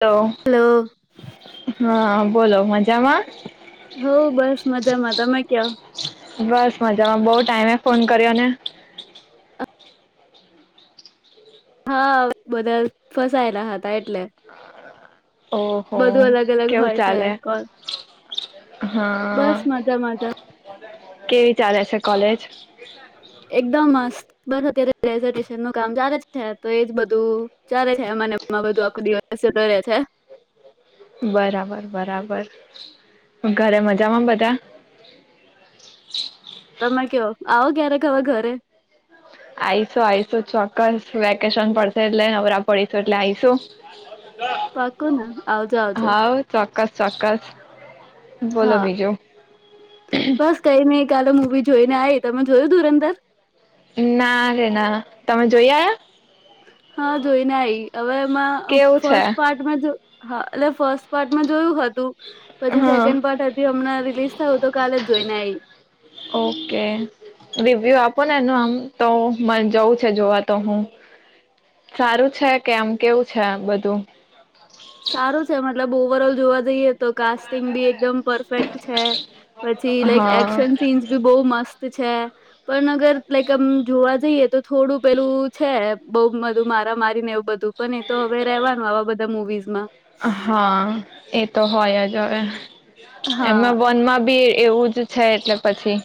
Hello hello હા. બોલો મજ મજામાં, હો બસ મજામાં તમે કયો બસ મજામાં બહું જ ટાઈમે ફોન કર્યો ને. હા બધા ફસાયેલા હતા એટલે. ઓહો બધું અલગ અલગ કેવું હોય છે ચાલે? કોલ હા. બસ મજા મજા કેવી ચાલે છે કોલેજ? એકદમ મસ્ત. બસ અત્યારે [unintelligible] નું કામ ચાલે છે ને તો એજ બધું ચાલે છે. એ મને એમાં બધું આખું દિવસ જતો રહે છે. બરાબર-બરાબર. ઘરે મજામાં બધા? તમે કયો, આવો ક્યારેક હવે ઘરે. આઈશું-આઈશું ચોક્કસ. વેકેશન પડશે એટલે નવરા પડીશું એટલે આઈશું. પાકો ને આવજો આવજો હાવ. ચોક્કસ-ચોક્કસ. બોલો હા બીજું. બસ [unintelligible] મુવી જોઈને આઈ. તમે જોયું ધુરંદર? ના રે ના. તમે જોઈઆ? હા જોઈને આઈ. હવે એમાં કેવું છે ફર્સ્ટ પાર્ટમાં જો હા એટલે ફર્સ્ટ પાર્ટમાં જોયું હત તું, પછી હા સેકન્ડ પાર્ટ હજી હમણાં રિલીસ થયું તો કાલે જ જોઈને આઈ. ઓકે [unintelligible] આમ તો મન જવું છે જોવા તો, હું સારું છે કે આમ કેવું છે એમ બધું? સારું છે મતલબ. ઓવર ઓલ જોવા જઈએ તો કાસ્ટીંગ બી એકદમ પરફેક્ટ છે, પછી લાઈક હા એક્શન સીન્સ બી બો મસ્ત તુ છે પણ અગર લાઈક આમ જોવા જઈએ તો થોડું પેલું છે, બઉ બધું મારા મારીને એવું બધું પણ એતો હવે રવાનું આવા બધા મુવીઝ મા હા, એતો હોયજ [unintelligible] હા એમાં વન માં બી એવું જ છે એટલે પછી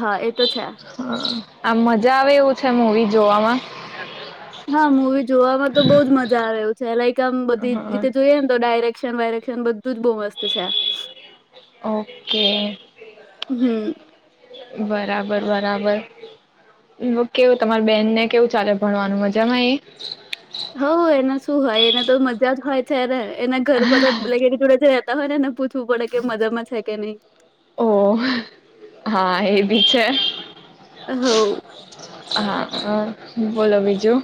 હા, એતો છે. આમ મજા આવે એવું છે મુવી જોવામાં હા, મૂવી જોવામાં તો બોજ મજા આવે એવું [unintelligible] એકદમ બધી હા રીતે જોઈએ ને તો ડાયરેક રેક્શન વાયરક્ષણ બધુંજ બો મસ્ત છે. ઓકે, હમ બરાબર. બરાબર, હું કેવ કેવું તમારી બેનને કેવું ચાલે ભણવાનું, મજામાં એ? હો એને શું હોય એને તો [unintelligible] એના ઘર [unintelligible] લગેડી જોડે છે. તરેને એને પૂછવું પડે કે મજામાં છે કે નઈ. ઓ, હા એ બી છે. હવ હા. હા, બોલો બીજું?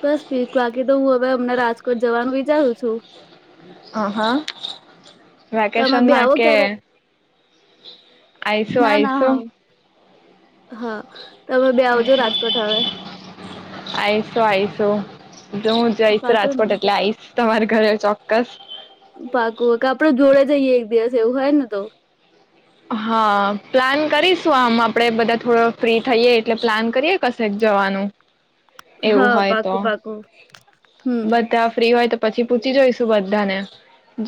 બસ ભીક [unintelligible] હવે અમના રાજકોટ જવાનું વિચારું છું. આ હા તમે બે વેકેશનમાં આવો કે, ક્યારેક આઈશું ના ના આઈશું. હા, તમે બે આવજો રાજકોટ હવે. આઈશું આઈશું જો હું જઈશ પાકું ને રાજકોટ એટલે આઈશ તમારે ઘરે ચોક્કસ પાકું કે આપડે જોડે જઈએ એક દિવસ એવું હોય ને તો હા, પ્લાન કરીશું આમ, આપડે બધા થોડો ફ્રી થઈએ એટલે પ્લાન કરીએ કશેક જવાનું એવું હા હોય તો, પાકું પાકું હમ બધા ફ્રી હોય તો પછી પૂછી જોઈશું બધા ને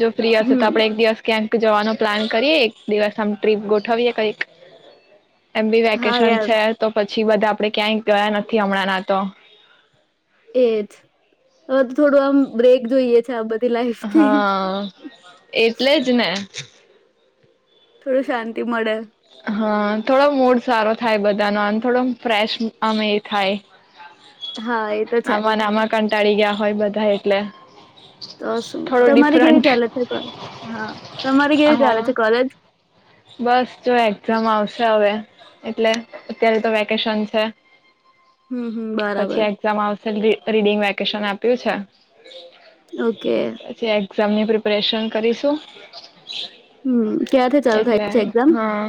જો ફ્રી હશે હમ તો આપડે એક દિવસ ક્યાંક જવાનો પ્લાન કરીએ એક દિવસ સમ ટ્રીપ ગોઠવવીએ કઈક. એમ બી હા વેકેશન યાર છે, તો પછ છી બધા આપડે ક્યાંય ગયા નથી હમણાં ના તો એજ હવે તો થોડું આમ બ્રેક જોઈએ છે આ બધ હા, એટલે જ ને. [unintelligible] થોડું શાંતિ મળે. હા, થોડો મૂડ સારો થાય બધાનો અન થોડો ફ્રેશ આમ એ થાય. હા એ તો છે આમાંન આમાં કંટાળી ગયા હોય બધા એટલે તો શું થોડો તમારી કેવી ડિફરન્ટ ચાલે છે? કો હા, તમારી કેવી ચાલે છે? હા કોલેજ. બસ જો એક્ઝામ આવશે હવે એટલે અત્યારે તો વેકેશન છે. હમ હમ પછી બરાબર. [unintelligible] રીડિંગ વેકેશન આપ્યું છે. ઓકે. ક્ઝામની પ્રિપરેશન કરીશું હમ, ક્યાથી ચા એટલે હા.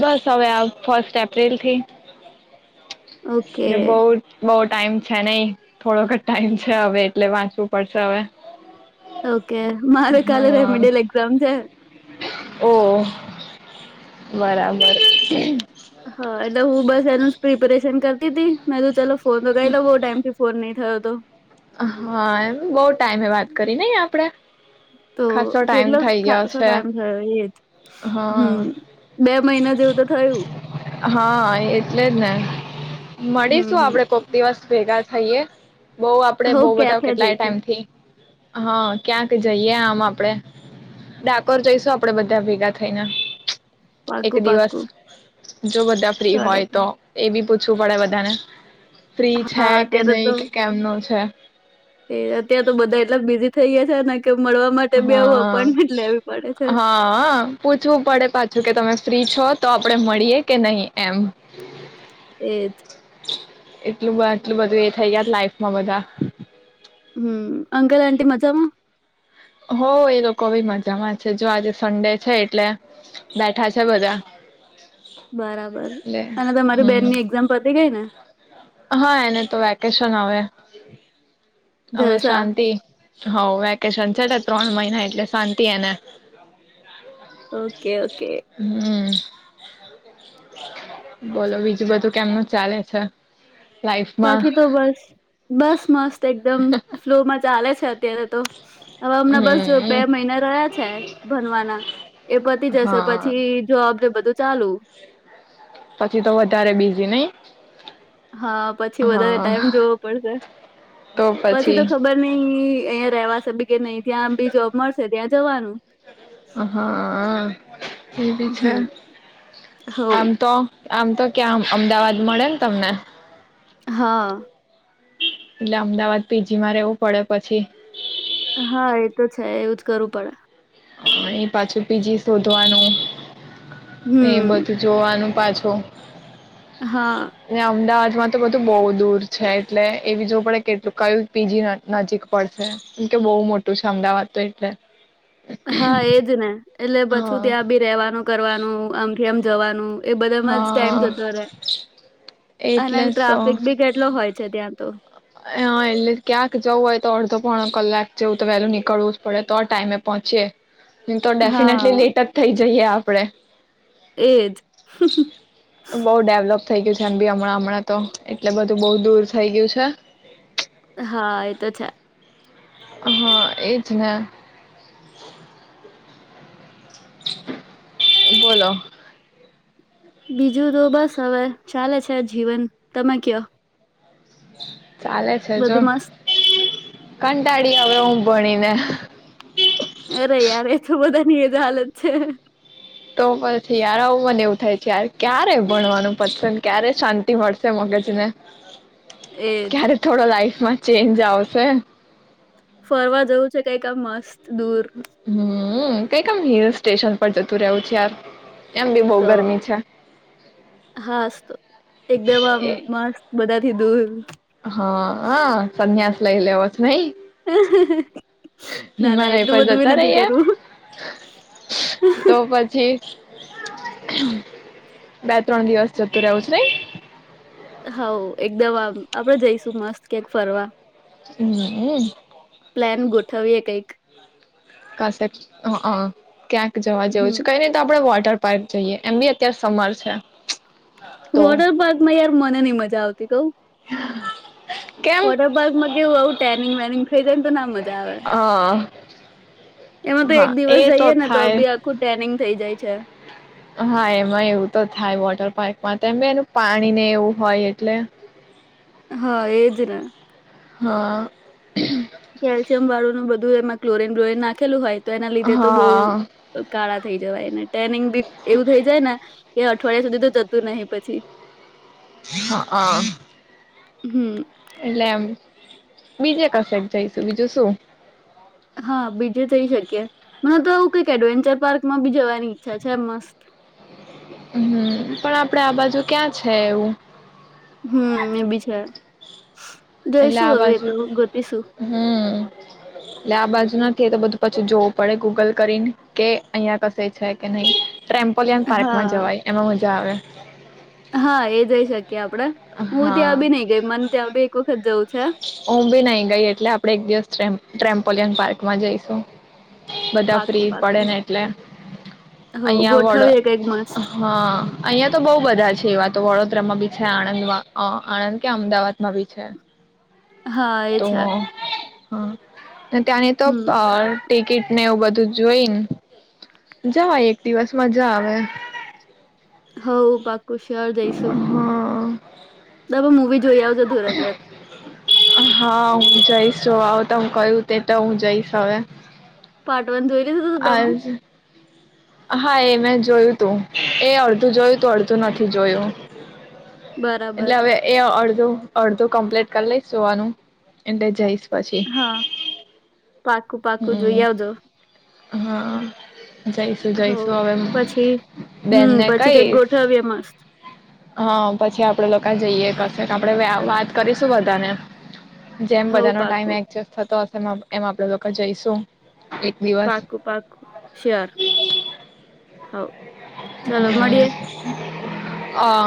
બસ હવે આ ફર્સ્ટ એપ્રિલથી ઓકે એ બહુટ બહોટ ટાઈમ છે નહી થોડોક જ ટાઈમ છે હવે એટલે વાંચવું પડશે હવે. ઓકે, મારે કાલે રેમિડેલ એક્ઝામ છે. ઓહ! બરાબર. હા, એટલે હું બસ એનું પ્રિપરેશન કરતી તી મે તો ચલો ફોન તો ગયેલો બહુ ટાઈમથી ફોન નહીં થયો તો હા એમ બહુ ટાઈમે વાત કરી નઈ આપડે તો ખાસો ટાઈમ કેટલો થઈ ગયો ખાસો છે ટાઈમ થયો એ જ, હમ, હા બે મહિના જેવું તો થયું. હા, એટલે જ ને. હમ મળીશું હમ આપડે કોક દિવસ ભેગા થઈએ બહુ આપ આપડે હો બઉ બધા કેફે કેટલાય જઈશું ટાઈમથી હા, ક્યાંક જઈએ આમ આપડે ડાકોર જઈશું આપડે બધા ભેગા થઈને. એક પાકું દિવસ પાકું. જો બધા ફ્રી સો હોય ટકા તો એ બી શું પડે બધાને. ફ્રી છે હા કે અત્યારે નહી તો કે કેમનો છે. એ અત્યાં તો બધા એટલા બીઝી થઈ ગ્યા. છેને. હા પડે છે. હા પૂછવું પડે પાછું કે તમે ફ્રી છ છો તો આપડે મળીયએ કે નહી કે એમ. એ જ. એટલું એટલું બધું એ થઇ ગયા લાઈફમાં બધા. હમ્મ અંકલ આન્ટી મજામાં. હો એ લોકો બી મજામાં છે જો આજે સન્ડે છે એટલે બેઠા છે બધા. બરાબર એટલે અને તમારી હમ બેનની એક્ઝામ પતી ગઈ ને. હા એને તો વેકેશન હવે. હવે જલસા શાંતિ હ વેકેેશન છેને. ત્રણ મહિના એટલે શાંતિ એને. Okay okay. હમ બોલો બીજું બધું કેમનું ચાલે છે? લાઈફમાં બાકી તો બસ બસ મસ્ત એકદમ ફલોમાં ચાલે. છે અત્યારે તો હવે હમણાં બસ બે હમ મહિના રહ્યા છે ભનવાના. એ પતી જાશે હા પછી જોબ ને બધું. ચાલુ પછી તો વધારે બી ઝી નય. હા પછી વધારે ટાઈમ જોવો પડશે પછી તો ખબર નઈ અહિયાયા રેવા સેબી કે નઈ. ત્યાં બી જોબ મળશે ત્યાં જવાનું. [unintelligible] એ બી છે હમ હો આમ તો. આમ તો ક્યાં અમદાવાદ મળે ને તમને. હા. એટલે અમદાવાદ પીજી મામાં રહેેવું પડે પછી. હા એ તો છે એવું જ કરવું પડે. હા એ પાછું પીજી શોધવાનું. ને એ હમ બધું જોવાનું. પાછો હા એ અમદાવાદ માં તો બધું બહુ દૂર છે એટલે એ બી જોવું પડે કેટલું કયું બીજી નજીક પડશે કેમ કે બહુ મોટું છે અમદાવાદ તો એટલે હા એ જને એટલે પછું હા ત્યાં બી રેવાનું કરવાનું આમ એમ જવાનું એ બધામાં જ ટાઈમ હા જતો રહે અને એટલે સો ટ્રાફિક ભી કેટલો હોય છે ત્યાં તો હા એટલે ક્યાંક જવું હોય તો અડધો પોણ કલાક જેવું તો વહેલું નીકળવું જ પડે તો ટાઈમે પહોંચીય તો ડેફિનેટલી હા લેટઅપ થઈ જાય જઈએ આપડે એજ થઇ ગયું છે એમ બી હમણાં હમણાં તો એટલે બધું બઉુ દૂર થઇ ગયું છે હા એ તો છે હા એજ ને બોલો. બીજું તો બસ હવે ચાલે છે જીવન તમે કયો ચાલે છે જો. બધું મસ્ત કંટાડી આવે હુંભણીને અરે યાર તો બધાની એજ હાલત છે. તો પછી યારા મને એવું થાય છે ાર ક્યારે ભણવાનું પસંદ ક્યારે શાંતિ મળશે મગજને. એજ ક્યારે થોડો લાઈફ માં ચેન્જ આવશે ફરવા જવું છે કઈક મસ્ત દૂર હમ. હમ કઈકમ હિલ સ્ટેશન પર જતું રહવું છે યાર. એમ બી બહુ તો ગરમી છે હાસ તો એકદમ આમ એ મસ્ત બધા. થી દૂર. હા હા સંન્યાસ લઈ લેવાસ નહિ હ હ હિમાલય પર જતા રહીએ કરવું તો પછી બે ત્રણ દિવસ જતું રહવું છ નહી હઉ એકદમ આમ આપડે જઈશું મસ્ત કેક ફરવા હમ હમ. પ્લાન ગોઠવવીએ કઈ. ક ક્યાં. જોવાવું છ હમ છે કઈ નહી તો આપડા વ. વટર પારપ જોઈએ એમ બી અત્યારે સમર છે. તો વોટર પાર્કમાં યાર મને નહીં મજા આવતી કઉ. હા. વોટર પાર્કમાં કેવું આવું ટેનિંગ વેનિંગ થઈ જાય તો ના મ અહા. એમાં તો એક દિવસ જઈએ ને તો બી આખું ટ્રેનિંગ થઇ જાય છે. હા, એમાં એવું તો થાય વોટર પાર્કમાં તેમ એનું પાણીને એવું હોય એટલે હા એજ ના હા. કેલ્શિયમ વાળું નું બ ધું એમાં ક્લોરીન બ્લોરીન નાખેલું હોય તો એના લીધે તો બહુ હા કાળા થઈ જવાયને ટ્રેનિંગ બી એવું થઈ જાય ને કે અઠવાડિયા સુધી તો જતું નહી પછી. હ અહ. હમ્મ. એટલે એમ બીજે કસેક જઈશું બીજું શું. હા બીજે થઈ શકી મને તો આવું કઈક એડવેન્ચર પાર્ક માં બી જવાની ઈચ્છા છે મસ્ત. હમ્મ, પણ આપડે આ બાજુ ક્યાં છે એવું? હમ્મ, એ બી છે. એટલે જોઈશું આ હવે બાજુ એતો ગોતીશું. હમ એટલે આ બાજુ નથી એ તો બધું પછી જોવું પડે ગૂગલ કરીને કે અહિયાં કશે છે કે નહી. ટ્રેમપોલિયન પાર્કમાં હા જવાય. એમાં મજ જા આવે. હા, એ જઈ શકીએ આપડે. હું ત્યાં હા બી નઈ ગઈ મને ત્યાં બી એકુ હું બી નઈ ગઈ એટલે આપડે એક દિવસ ટ્રેમ ટ્રેમપોલિયન પાર્ક માં જઈશું. બધા પાકું ફ્રી પડે પાકું ને એટલે હો અહીંયા વડ ગોઠવીએ કઈક મસ્ત હા અહિયાં તો બહ બધા છે એવા તો વડોદરામાં બી છે આણંદ અહ આણંદ કે અમદાવાદમાં બી છે. હા એ તો છે. હા. તેની તો હમ આપલ ટિકિટ ને એવું બધું જોઈને જવા એક દિવસ મજા આવે. હઓ પાકુ શિયોર જઈશું. હા તમે મૂવી જોઈ આવજો ધુરંધર. હા હું જઈશ જો આવ તમ કું તે તો હું જઈશ હવે. પાર્ટ વન જોઈ લીધું તમે? આજ. હા એ મેં જોયું તું એ અડધું જોયું ત અડધું નથી જોયું. એટલે બરાબર હવે એડધ અડધો કમ્પ્લીટ કરી લઈશ જોવાનું એટલે જઈશ. પછી હા, પાકું પાકું જોઈ હમ આવજો. હા. જઈશું હવ જઈશું હવે પછી હમ બેનને પછી કઈક કહીશ, ગોઠવીએ મસ્ત હા પછી જઈએ કશે આપણે વાત કરીશું બધાને. જેમ હવ બધાનો ટાઈમ પાકું એક્જસ્ટ થતો એ એમાં આપડે લોકો જઈશું. એક દિવસ પાકું પાકું શેર હ ચાલો મળીએે. હા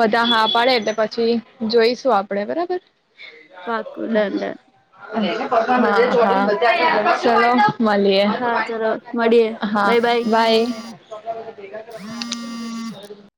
બધ હા પાડે એટલે પછી જોઈશું આપડે બરાબર. પાકું ડન ડન. અને કો [unintelligible] હા સારું ચલો મળલીએ, હા ચલો મળીએ હા બાય બાય.